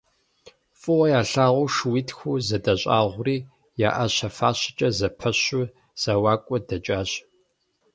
ФӀыуэ ялъагъуу шууитху зэдэщӀагъури я Ӏэщэ фащэкӀэ зэпэщу зэуакӀуэ дэкӀащ.